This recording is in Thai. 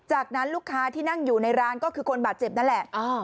จากนั้นลูกค้าที่นั่งอยู่ในร้านก็คือคนบาดเจ็บนั่นแหละ